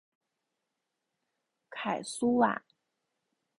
凯苏瓦。